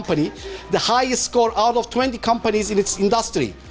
yang memiliki skor terbesar dari dua puluh perusahaan di industri